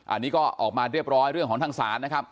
อันนี้ก็ออกมาเรียบร้อยเรื่องของทางศาลนะครับ